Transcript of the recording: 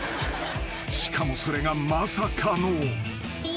［しかもそれがまさかの］